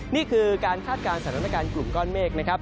นี่คือการคาดการณ์สถานการณ์กลุ่มก้อนเมฆนะครับ